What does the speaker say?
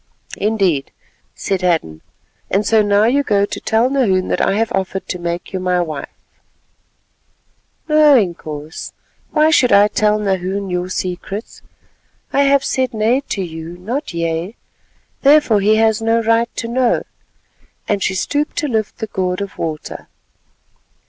"Indeed," said Hadden; "and so now you go to tell Nahoon that I have offered to make you my wife." "No, Inkoos, why should I tell Nahoon your secrets? I have said 'nay' to you, not 'yea,' therefore he has no right to know," and she stooped to lift the gourd of water.